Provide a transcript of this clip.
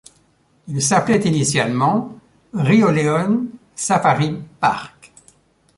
Il s'appelait initialement Rioleón Safari Park.